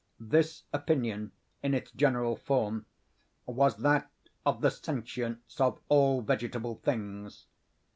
This opinion, in its general form, was that of the sentience of all vegetable things.